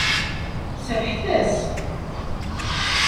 Serrḥet-as.